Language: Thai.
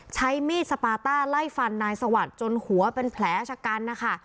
ใช้มีดสปาต้าไล่ฟันนายสวัสดิ์จนหัวเป็นแผลชะกันนะคะ